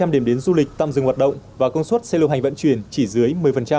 một trăm linh điểm đến du lịch tạm dừng hoạt động và công suất xe lưu hành vận chuyển chỉ dưới một mươi